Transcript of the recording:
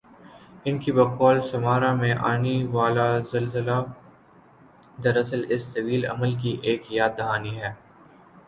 ان کی بقول سمارا میں آنی والازلزلہ دراصل اس طویل عمل کی ایک یاد دہانی تھا